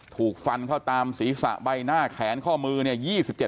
ถูกฟันเข้าตามศีรษะใบหน้าแขนข้อมือเนี่ย